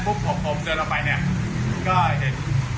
ตอนนั้นเนี่ยก็เห็น